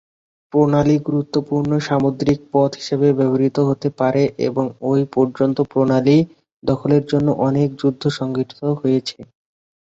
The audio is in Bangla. প্রণালী গুরুত্বপূর্ণ সামুদ্রিক পথ হিসেবে ব্যবহৃত হতে পারে এবং এই পর্যন্ত প্রণালী দখলের জন্য অনেক যুদ্ধ সংঘটিত হয়েছে।